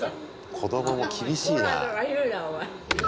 子供も厳しいな。